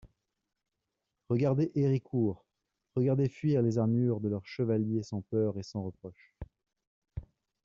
Regardez Héricourt, regardez fuir les armures de leurs chevaliers sans peur et sans reproche!